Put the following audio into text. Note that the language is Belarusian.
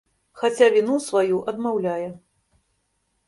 Хаця віну сваю адмаўляе.